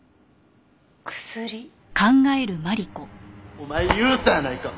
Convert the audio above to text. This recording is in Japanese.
お前言うたやないか。